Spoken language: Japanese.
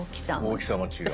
大きさが違う。